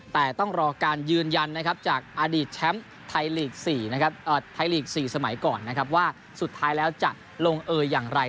แต่ต้องรอการยืนยันจากอดีตแชมป์ไทยลีกสี่สมัยก่อนว่าสุดท้ายแล้วจะลงเออย่างไร